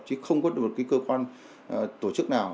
chứ không có được một cái cơ quan tổ chức nào